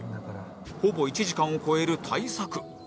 ほぼ１時間を超える大作